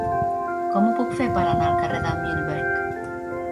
Com ho puc fer per anar al carrer de Mühlberg?